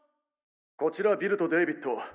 こちらビルとデイビット。